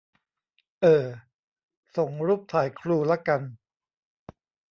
เอ่อส่งรูปถ่ายครูละกัน !